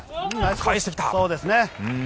返してきた。